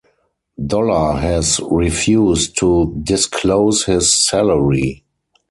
Dollar has refused to disclose his salary.